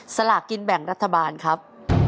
สลากกินแบ่งรัฐบาลครับ